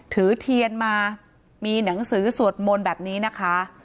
ถือเทียนมามีหนังสือสวดมนต์แบบนี้นะคะ